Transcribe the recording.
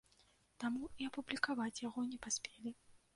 Таму і апублікаваць яго не паспелі.